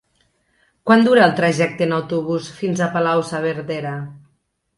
Quant dura el trajecte en autobús fins a Palau-saverdera?